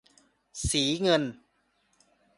สีเงิน